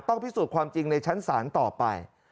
พิสูจน์ความจริงในชั้นศาลต่อไป